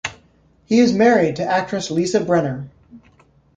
He is married to actress Lisa Brenner.